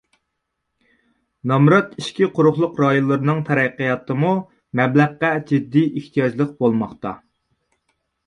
نامرات ئىچكى قۇرۇقلۇق رايونلىرىنىڭ تەرەققىياتىمۇ مەبلەغقە جىددىي ئېھتىياجلىق بولماقتا.